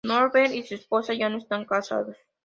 Norbert y su esposa ya no estan casados.